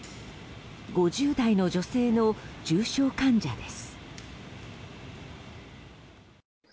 ５０代の女性の重症患者です。